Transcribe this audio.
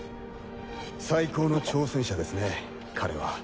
最高の挑戦者ですね彼は。